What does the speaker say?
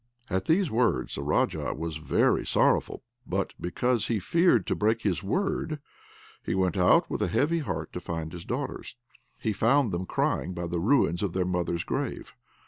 At these words the Raja was very sorrowful; but because he feared to break his word, he went out with a heavy heart to find his daughters. He found them crying by the ruins of their mother's grave.